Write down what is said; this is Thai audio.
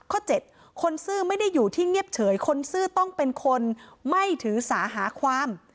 ๗คนซื่อไม่ได้อยู่ที่เงียบเฉยคนซื่อต้องเป็นคนไม่ถือสาหาความ